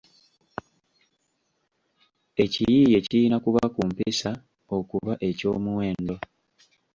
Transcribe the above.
Ekiyiiye kirina kuba ku mpisa okuba eky’omuwendo